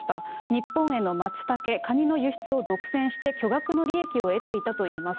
日本へのマツタケ、カニの輸出を独占して巨額の利益を得ていたといいます。